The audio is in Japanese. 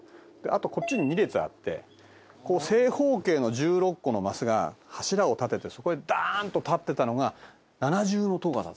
あとこっちに２列あってこう正方形の１６個のマスが柱を立ててそこへダーンッと立ってたのが。